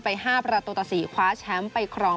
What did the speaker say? ๕ประตูต่อ๔คว้าแชมป์ไปครอง